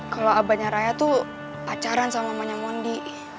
kalo abangnya raya tuh pacaran sama mamanya mondi